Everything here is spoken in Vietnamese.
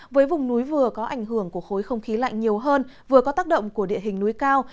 với vùng núi vừa có ảnh hưởng của khối không khí lạnh nhiều hơn vừa có tác động của địa hình núi cao